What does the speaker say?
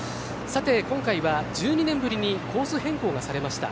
今回は１２年ぶりにコース変更がされました。